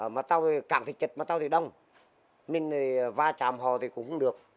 mà tàu càng thì chật tàu thì đông mình va chạm hò thì cũng không được